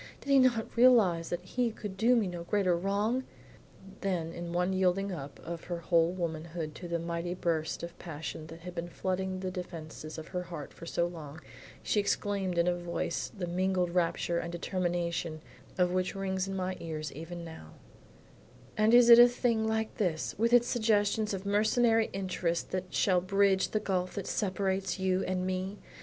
"Did he not realize that he could do me no greater wrong?" Then in one yielding up of her whole womanhood to the mighty burst of passion that had been flooding the defenses of her heart for so long, she exclaimed in a voice the mingled rapture and determination of which rings in my ears even now, "And is it a thing like this with its suggestions of mercenary interest that shall bridge the gulf that separates you and me?